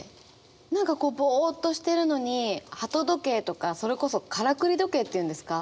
何かこうぼっとしてるのに鳩時計とかそれこそカラクリ時計っていうんですか？